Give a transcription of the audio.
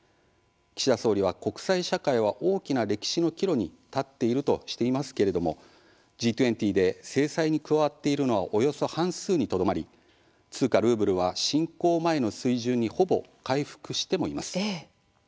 岸田総理は、国際社会は大きな歴史の岐路に立っているとしていますけれどもＧ２０で制裁に加わっているのはおよそ半数にとどまり通貨ルーブルは侵攻前の水準にほぼ回復してもいます。